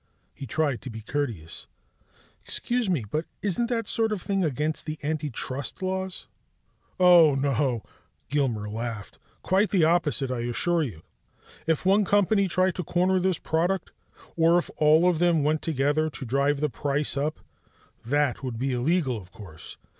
He tried to be courteous: "Excuse me, but isn't that sort of thing against the anti trust laws?" "Oh, no!" Gilmer laughed. "Quite the opposite, I assure you. If one company tried to corner this product, or if all of them went together to drive the price up, that would be illegal, of course.